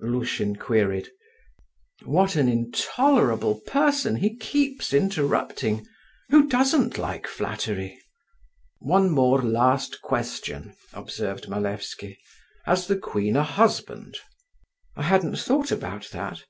Lushin queried. "What an intolerable person! he keeps interrupting … who doesn't like flattery?" "One more last question," observed Malevsky, "has the queen a husband?" "I hadn't thought about that.